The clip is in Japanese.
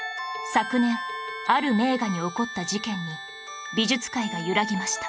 昨年ある名画に起こった事件に美術界が揺らぎました